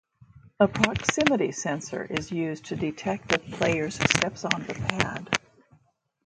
A proximity sensor is used to detect a player's steps on the pad.